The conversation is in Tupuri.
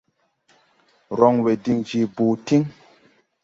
Rɔŋwɛ diŋ je boo tíŋ.